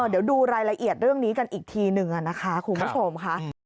เดี๋ยวดูรายละเอียดเรื่องนี้กันอีกทีหนึ่งนะคะคุณผู้ชมค่ะ